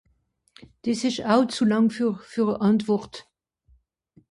des esch aw zu làng für für à àntwòrt